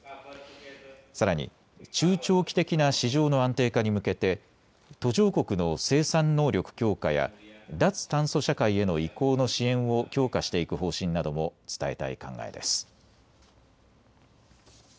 さらに中長期的な市場の安定化に向けて途上国の生産能力強化や脱炭素社会への移行の支援を強化していく方針なども伝えたい考えです。